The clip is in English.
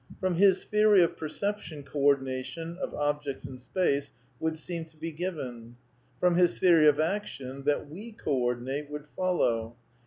From his theory of perception co ordination (of objects in space) would seem to be given ; from his theory of action that we co ordinate would follow.